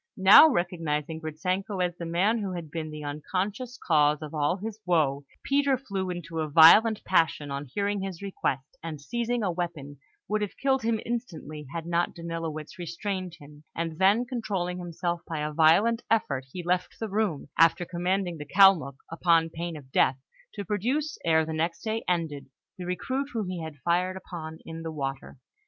Now recognising Gritzenko as the man who had been the unconscious cause of all his woe, Peter flew into a violent passion on hearing his request, and, seizing a weapon, would have killed him instantly, had not Danilowitz restrained him; and then controlling himself by a violent effort, he left the room, after commanding the Kalmuk, upon pain of death, to produce, ere the next day ended, the recruit whom he had fired upon in the water.